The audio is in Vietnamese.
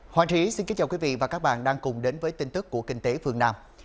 hoàng trí xin kính chào quý vị và các bạn đang cùng đến với tin tức của kinh tế phương nam